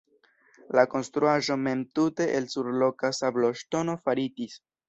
La konstruaĵo mem tute el surloka sabloŝtono faritis.